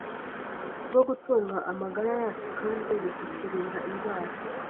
bwo gutunga amagara yacu kandi bikaturinda indwara.